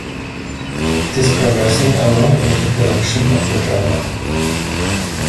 It is progressing along with the production of the drama.